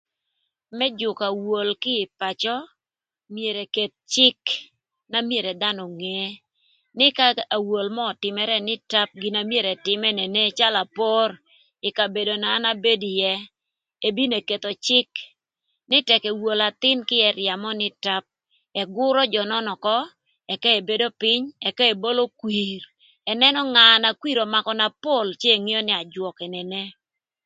Më jükö awol kï ï pacö myero eketh cïk na myero dhanö onge nï k'awol mörö ötïmërë nï tap gin na myero ëtïm enene calö apor ï kabedona an abedo ïë ebino eketho cïk nï tëk ewolo athïn kï ëria mö ni nï tap ëgürö jö nön ökö ëka ebedo pïny ëka ebolo kwir ënënö nga na kwir ömakö na pol cë ngeo na ajwök enene.